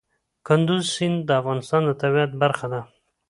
کندز سیند د افغانستان د طبیعت برخه ده.